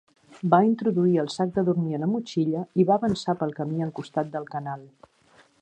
Va introduir el sac de dormir a la motxilla i va avançar pel camí al costat del canal